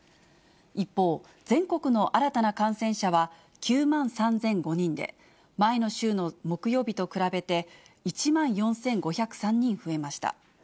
一方、全国の新たな感染者は９万３００５人で、前の週の木曜日と比べて１万４５０３人増えました。